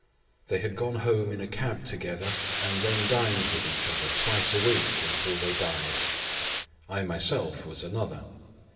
They had gone home in a cab together and then dined with each other twice a week until they died. I myself was another.